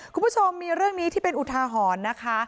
คุณผู้ชมมีเรื่องนี้ที่เป็นอุทาหรณ์นะคะ